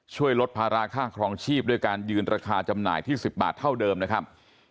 ช่วยลดภาระค่าครองชีพด้วยการยืนราคาจำหน่ายที่๑๐บาทเท่าเดิมนะครับ